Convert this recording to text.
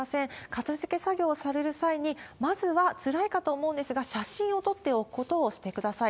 片づけ作業をされる際に、まずはつらいかと思うんですが、写真を撮っておくことをしてください。